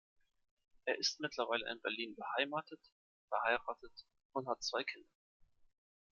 Er ist mittlerweile in Berlin beheimatet, verheiratet und hat zwei Kinder.